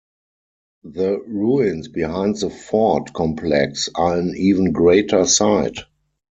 The ruins behind the fort complex are an even greater sight.